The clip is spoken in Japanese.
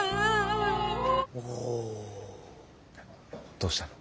どうしたの？